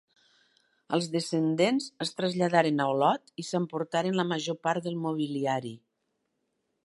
Els descendents es traslladaren a Olot i s'emportaren la major part del mobiliari.